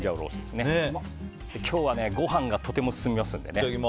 今日はご飯がとても進みますよ。